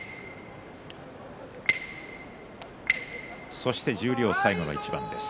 そして十両最後の一番です。